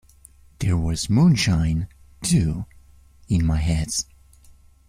There was moonshine, too, in my head.